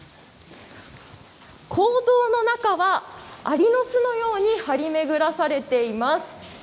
坑道の中はアリの巣のように張り巡らされています。